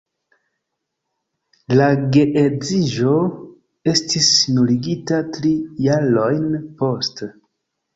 La geedziĝo estis nuligita tri jarojn poste.